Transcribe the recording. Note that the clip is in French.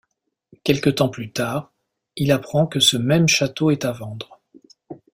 Quelque temps plus tard, il apprend que ce même château est à vendre.